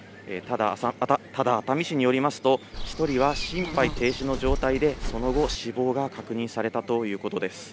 ただ、熱海市によりますと、１人は心肺停止の状態で、その後、死亡が確認されたということです。